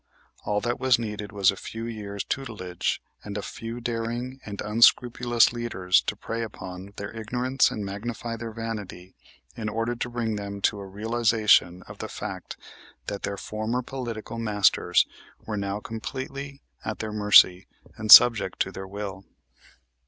All that was needed was a few years' tutelage and a few daring and unscrupulous leaders to prey upon their ignorance and magnify their vanity in order to bring them to a realization of the fact that their former political masters were now completely at their mercy, and subject to their will.